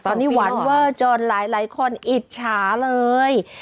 ตอนนี้หวานเวอร์จนหลายคนอิจฉาเลย